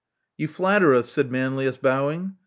You flatter us," said Manlius bowing.